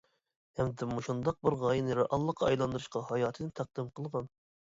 ھەمدە مۇشۇنداق بىر غايىنى رېئاللىققا ئايلاندۇرۇشقا ھاياتىنى تەقدىم قىلغان.